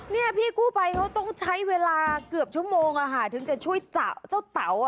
พี่กู้ไปเขาต้องใช้เวลาเกือบชมถึงจะช่วยเจ้าเตาอ่ะ